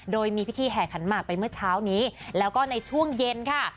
โดยมีพิธีแห่ขันหมากไปเมื่อเช้านี้แล้วก็ในช่วงเย็นค่ะ